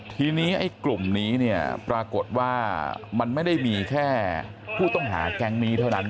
ทีนี้ไอ้กลุ่มนี้เนี่ยปรากฏว่ามันไม่ได้มีแค่ผู้ต้องหาแก๊งนี้เท่านั้น